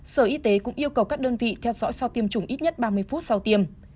sở y tế cũng yêu cầu các đơn vị theo dõi sau tiêm chủng ít nhất ba mươi phút sau tiêm